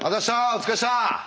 お疲れでした！